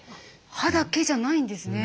歯だけじゃないんですね。